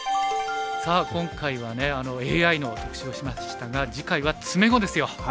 さあ今回はねＡＩの特集をしましたが次回は詰碁ですよ。